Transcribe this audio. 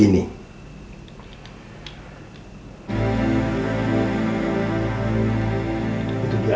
ini pun airnya mengerah